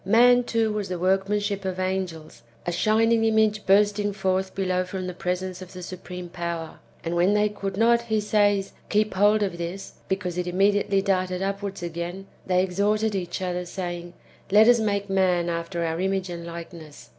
Man, too, was the w^orkmanship of angels, a shining image bursting forth below from the presence of the supreme power ; and when they could not, he says, keep hold of this, because it im mediately darted upw^ards again, they exhorted each other, saying, " Let us make man after our image and likeness."